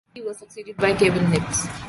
He was succeeded by Kevin Knibbs.